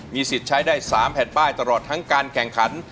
สิทธิ์ใช้ได้๓แผ่นป้ายตลอดทั้งการแข่งขัน